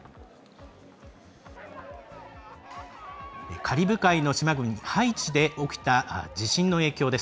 カリブ海のハイチで起きた地震の影響です。